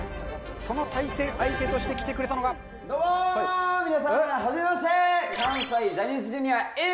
その対戦相手として来てくれたのがどうも皆さんはじめまして関西ジャニーズＪｒ．Ａぇ！